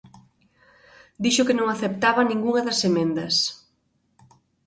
Dixo que non aceptaba ningunha das emendas.